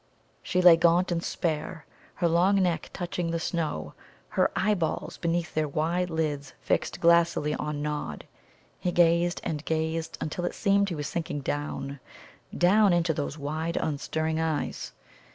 She lay gaunt and spare, her long neck touching the snow, her eye balls beneath their wide lids fixed glassily on Nod. He gazed and gazed, until it seemed he was sinking down, down into those wide unstirring eyes.